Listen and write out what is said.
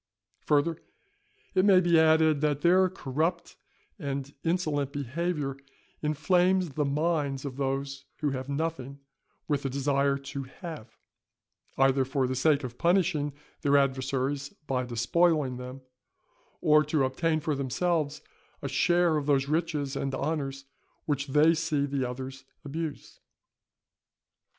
Further, it may be added, that their corrupt and insolent behaviour inflames the minds of those who have nothing, with the desire to have; either for the sake of punishing their adversaries by despoiling them, or to obtain for themselves a share of those riches and honours which they see the others abuse.